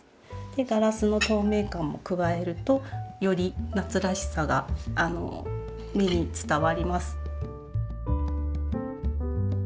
ガラスの透明感も加えるとより夏らしさが目に伝わります。